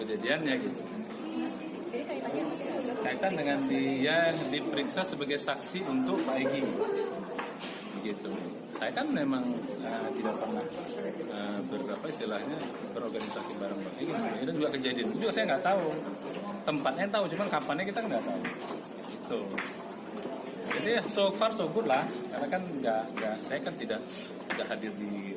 jadi apa yang mau saya kasih tahu kan banyak yang tidak tahunya lagi